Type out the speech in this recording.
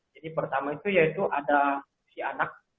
jadi pertama itu yaitu ada usia anak